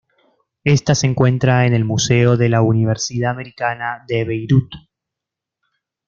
Ésta se encuentra en el museo de la Universidad Americana de Beirut.